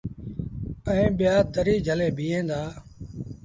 ائيٚݩ ٻيٚآ دريٚ جھلي بيٚهين دآ۔